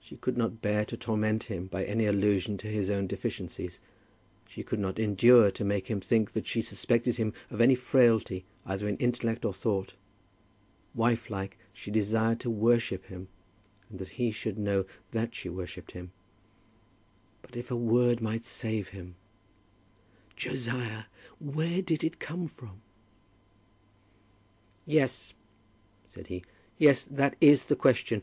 She could not bear to torment him by any allusion to his own deficiencies. She could not endure to make him think that she suspected him of any frailty either in intellect or thought. Wifelike, she desired to worship him, and that he should know that she worshipped him. But if a word might save him! "Josiah, where did it come from?" "Yes," said he; "yes; that is the question.